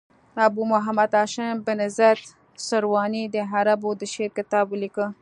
ابو محمد هاشم بن زید سرواني د عربو د شعر کتاب ولیکه.